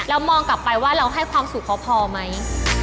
มองกลับไปว่าเราให้ความสุขเขาพอไหม